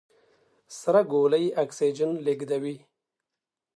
سره ګولۍ اکسیجن لېږدوي.